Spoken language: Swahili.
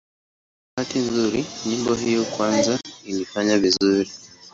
Kwa bahati nzuri nyimbo hiyo ya kwanza ilifanya vizuri.